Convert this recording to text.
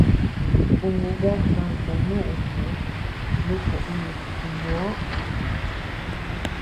Uu bea kanta ñuuu nuku iña Jiguoo.